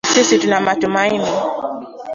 na sisi tunaamini